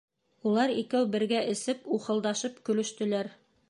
Улар икәү бергә эсеп, ухылдашып көлөштөләр.